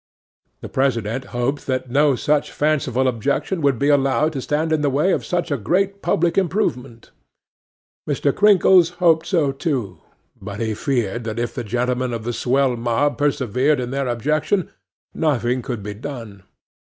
'THE PRESIDENT hoped that no such fanciful objections would be allowed to stand in the way of such a great public improvement. 'MR. CRINKLES hoped so too; but he feared that if the gentlemen of the swell mob persevered in their objection, nothing could be done.